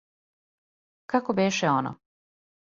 Како беше оно?